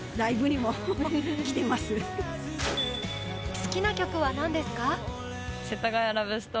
好きな曲は何ですか？